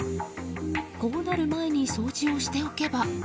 こうなる前に掃除をしておけば。